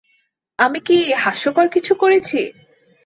আমি কি হাস্যকর কিছু করেছি?